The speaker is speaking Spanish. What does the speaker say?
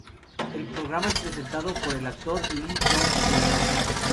El programa es presentado por el actor Lee Dong-wook.